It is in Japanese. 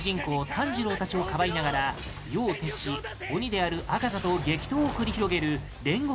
炭治郎たちをかばいながら夜を徹し、鬼である猗窩座と激闘を繰り広げる煉獄